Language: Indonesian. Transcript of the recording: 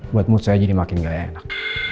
buat mood saya jadi makin nggak enak